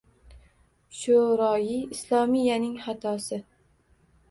Sho‘royi islomiyaning xatosi